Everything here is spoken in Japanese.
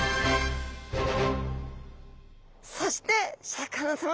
そしてシャーク香音さま